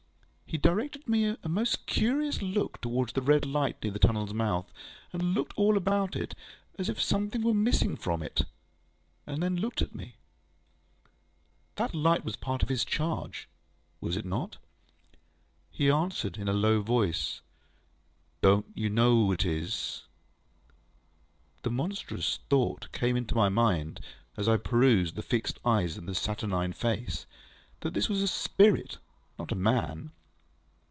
He directed a most curious look towards the red light near the tunnelŌĆÖs mouth, and looked all about it, as if something were missing from it, and then looked at me. That light was part of his charge? Was it not? He answered in a low voice, ŌĆöŌĆ£DonŌĆÖt you know it is? ŌĆØ The monstrous thought came into my mind, as I perused the fixed eyes and the saturnine face, that this was a spirit, not a man.